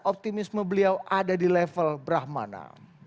optimisme beliau ada di level brahmana